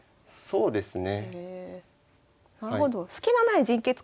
そうですね。